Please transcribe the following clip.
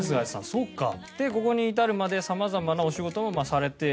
でここに至るまで様々なお仕事をされて。